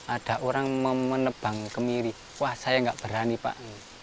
ada orang menebang kemiri wah saya nggak berani pak